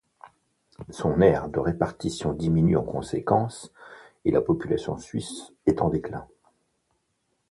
Son aire de répartition diminue en conséquent, et la population suisse est en déclin.